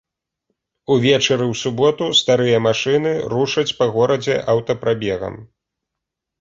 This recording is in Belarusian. Увечары ў суботу старыя машыны рушаць па горадзе аўтапрабегам.